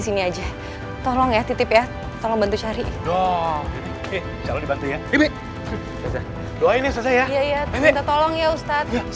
sini aja tolong ya titip ya tolong bantu cari doang kalau dibantu ya iya iya tolong ya ustaz